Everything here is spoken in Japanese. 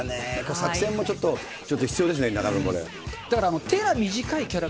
作戦もちょっと、ちょっと必要ですね。